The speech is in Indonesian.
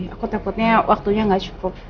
aku takutnya waktunya gak cukup